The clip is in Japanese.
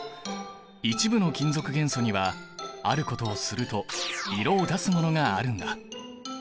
一部の金属元素にはあることをすると色を出すものがあるんだ。